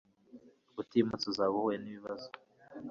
Utimutse uzaba uhuye nibibazo